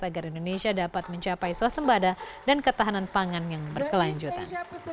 agar indonesia dapat mencapai suasembada dan ketahanan pangan yang berkelanjutan